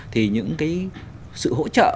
thì những cái sự hỗ trợ